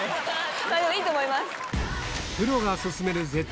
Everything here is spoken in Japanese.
いいと思います。